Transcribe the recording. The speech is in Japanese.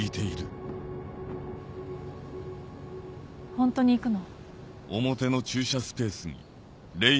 ホントに行くの？